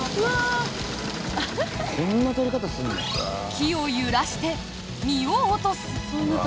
木を揺らして実を落とす。